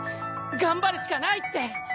頑張るしかないって！